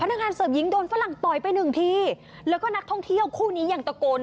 นักงานเสิร์ฟหญิงโดนฝรั่งต่อยไปหนึ่งทีแล้วก็นักท่องเที่ยวคู่นี้ยังตะโกน